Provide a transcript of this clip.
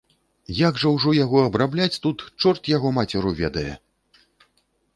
Як жа ўжо яго абрабляць тут, чорт яго мацеру ведае.